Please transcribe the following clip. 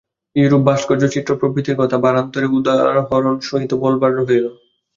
ইউরোপী ভাস্কর্য চিত্র প্রভৃতির কথা বারান্তরে উদাহরণ সহিত বলবার রইল।